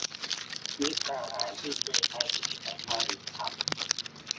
มิตรสหายที่เคยใช้ชีวิตในเกาหลีครับ